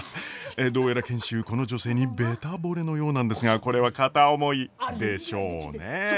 どうやら賢秀この女性にべたぼれのようなんですがこれは片思いでしょうね。